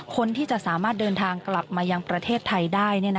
คนที่จะสามารถเดินทางกลับมายังประเทศไทยได้